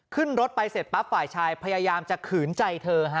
ขึ้นรถไปเสร็จปั๊บฝ่ายชายพยายามจะขืนใจเธอฮะ